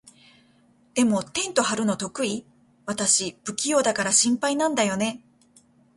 でも、テント張るの得意？私、不器用だから心配なんだよね。